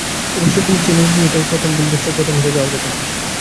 অবশ্য কোনো চ্যালেঞ্জ নিয়ে এটাই প্রথম বিল গেটসের প্রথম হেরে যাওয়ার ঘটনা।